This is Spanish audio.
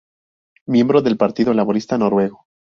Miembro del Partido Laborista Noruego.